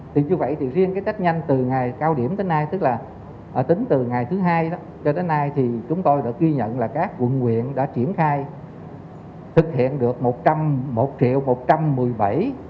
tuy nhiên riêng cái tết nhanh từ ngày cao điểm tới nay tức là tính từ ngày thứ hai cho đến nay thì chúng tôi đã ghi nhận là các quận nguyện đã triển khai thực hiện được một triệu một trăm một mươi bảy tết nhanh